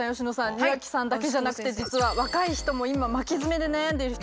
庭木さんだけじゃなくて実は若い人も今巻きヅメで悩んでる人